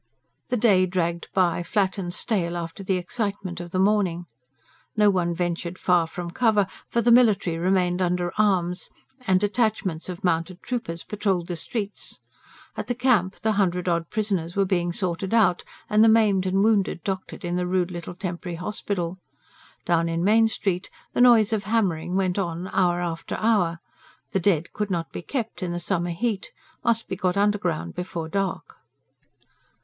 The day dragged by, flat and stale after the excitement of the morning. No one ventured far from cover; for the military remained under arms, and detachments of mounted troopers patrolled the streets. At the Camp the hundred odd prisoners were being sorted out, and the maimed and wounded doctored in the rude little temporary hospital. Down in Main Street the noise of hammering went on hour after hour. The dead could not be kept, in the summer heat, must be got underground before dark.